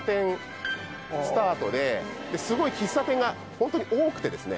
スゴい喫茶店がホントに多くてですね